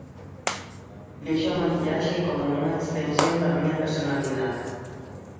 Vexo a maquillaxe como unha extensión da miña personalidade.